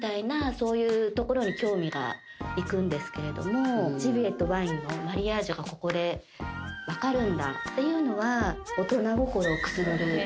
そういうところに興味が行くんですけれどもジビエとワインのマリアージュがここで分かるんだっていうのは大人心をくすぐる